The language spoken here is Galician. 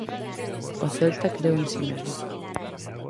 O Celta creu en si mesmo.